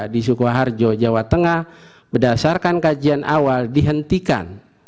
di sukoharjo jawa tengah berdasarkan kajian awal dihentikan